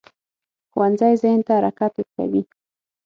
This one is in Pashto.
ښوونځی ذهن ته حرکت ورکوي